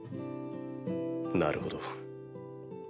なるほど。